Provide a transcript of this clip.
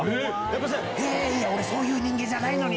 俺そういう人間じゃないのに！